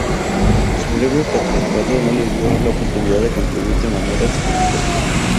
Su breve patriarcado no le dio la oportunidad de contribuir de manera significativa.